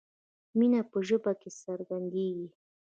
مینه په ژبه کې څرګندیږي.